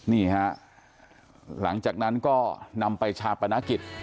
นี่ฮะหลังจากนั้นก็นำไปชาปนกิจ